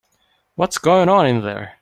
What's going on in there?